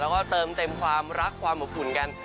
และเติมความรักในบุคลุภูนิกัน